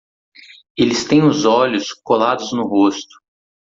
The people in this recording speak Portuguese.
Eles têm os olhos colados no rosto.